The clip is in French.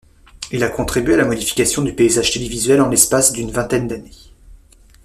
Il a contribué à la modification du paysage télévisuel en l'espace d'une vingtaine d'années.